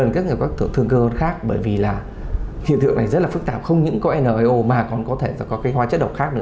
các người có thương cơ khác bởi vì hiện thực này rất phức tạp không những có nio mà còn có thể có hoa chất độc khác nữa